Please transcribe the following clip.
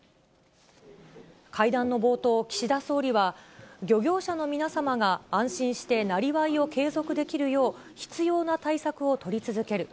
会談の冒頭、岸田総理は、漁業者の皆様が安心してなりわいを継続できるよう、必要な対策を取り続ける。